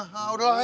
nah udah lah